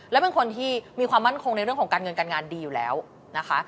และเป็นคนที่มีความมั่นคงในเรื่องของการเงินการงานดีอยู่แล้วนะคะ